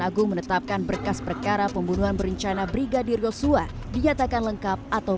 agung menetapkan berkas perkara pembunuhan berencana brigadir yosua diatakan lengkap atau